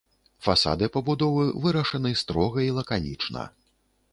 Фасады пабудовы вырашаны строга і лаканічна.